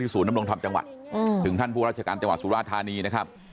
ที่ศูนนำลงทำจังหวัดถึงท่านผู้ราชการจังหวัดสุราธารณีนะครับ